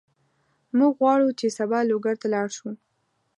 موږ غواړو چې سبا لوګر ته لاړ شو.